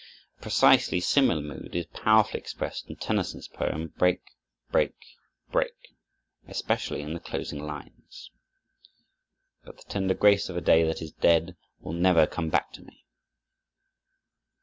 A precisely similar mood is powerfully expressed in Tennyson's poem "Break, break, break," especially in the closing lines, "But the tender grace of a day that is dead Will never come back to me."